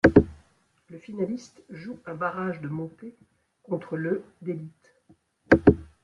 Le finaliste joue un barrage de montée contre le d'Élite.